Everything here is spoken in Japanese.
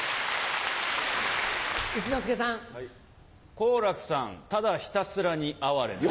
好楽さんただひたすらに哀れなり。